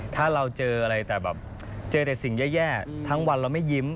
ถ้าเราเจออะไรแต่แบบเจอแต่สิ่งแย่ทั้งวันเราไม่ยิ้ม